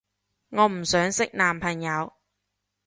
我唔想識男朋友